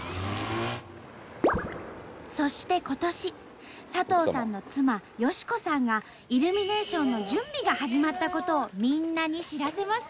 そして今年佐藤さんの妻好子さんがイルミネーションの準備が始まったことをみんなに知らせます。